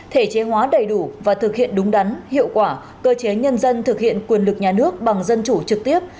thể chế hóa đầy đủ và thực hiện đúng đắn hiệu quả cơ chế nhân dân thực hiện quyền lực nhà nước bằng dân chủ trực tiếp